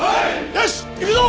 よし行くぞ！